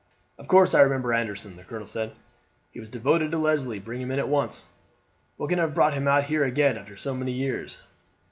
"Of course I remember Anderson," the colonel said. "He was devoted to Leslie. Bring him in at once. What can have brought him out here again after so many years?